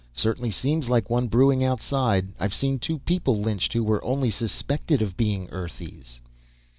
Certainly seems like one brewing outside. I've seen two people lynched who were only suspected of being Earthies."